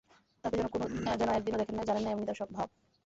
তাকে যেন একদিনও দেখেন নাই, জানেন নাই, এমনি তাঁর ভাব।